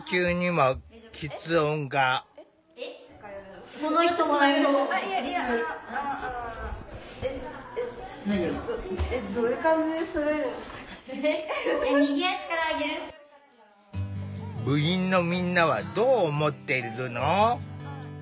部員のみんなはどう思っているの？